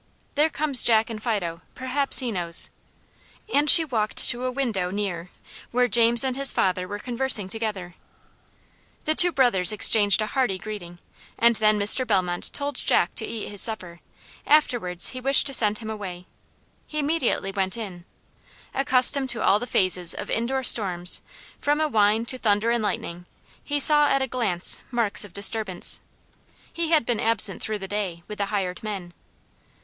There comes Jack and Fido; perhaps he knows;" and she walked to a window near, where James and his father were conversing together. The two brothers exchanged a hearty greeting, and then Mr. Bellmont told Jack to eat his supper; afterward he wished to send him away. He immediately went in. Accustomed to all the phases of indoor storms, from a whine to thunder and lightning, he saw at a glance marks of disturbance. He had been absent through the day, with the hired men.